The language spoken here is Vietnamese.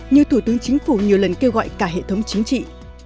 như thủ tướng chính phủ nhiều lần kêu gọi cả hệ thống chính trị